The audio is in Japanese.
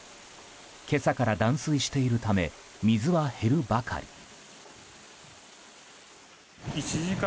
今朝から断水しているため水は減るばかり。